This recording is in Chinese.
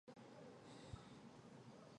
法国路易十四是他的教父。